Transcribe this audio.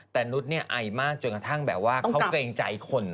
แต่นุษย์ไอมากจนกระทั่งแบบว่าเขาเกรงใจคน